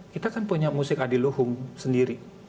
kita kan punya musik adi luhung sendiri